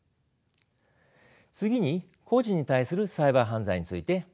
次に個人に対するサイバー犯罪についてお話しします。